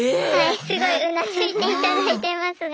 すごいうなずいていただいてますが。